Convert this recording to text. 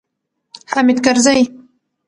حامد کرزی